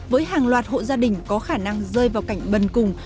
với hàng loạt hộ gia đình có khả năng rơi vào cảnh bần cùng